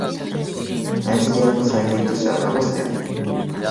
ナイジェリアの最大都市はラゴスである